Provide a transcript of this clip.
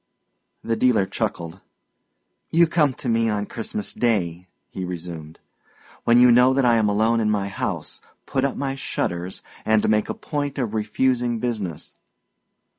The dealer chuckled. "You come to me on Christmas Day," he resumed, "when you know that I am alone in my house, put up my shutters, and make a point of refusing business.